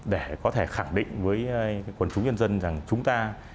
để có thể khẳng định với quần chúng nhân dân rằng chúng ta